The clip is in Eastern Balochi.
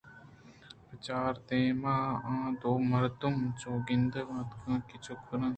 بچار دیمءَ آ دومردم چون کندگ ءَ اَنتکاف ءَ چک ترّینت